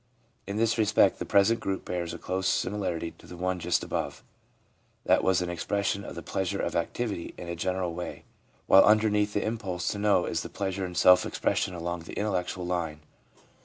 In this respect the present group bears a close similarity to the one just above. That was an expression of the pleasure of activity in a general way, while underneath the impulse to know is the pleasure in self expression along the intellectual line.